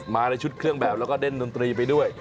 ในชุดเครื่องแบบแล้วก็เล่นดนตรีไปด้วย